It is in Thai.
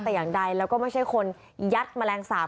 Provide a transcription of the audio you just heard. แต่อย่างใดแล้วก็ไม่ใช่คนยัดแมลงสาป